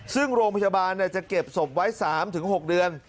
ซึ่งโรงพยาบาลจะเก็บศพไว้๓๖เดือน